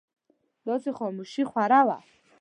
داسې خاموشي خوره وه.